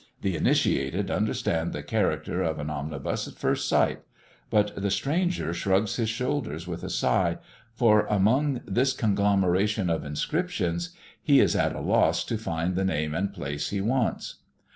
The initiated understand the character of an omnibus at first sight; but the stranger shrugs his shoulders with a sigh, for among this conglomeration of inscriptions, he is at a loss to find the name and place he wants.